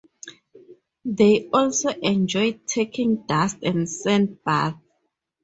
They also enjoy taking dust and sand baths.